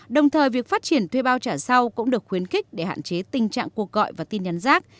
đồng thời việc phát triển thuê bao trả sau cũng được khuyến khích để hạn chế tình trạng cuộc gọi và tin nhắn rác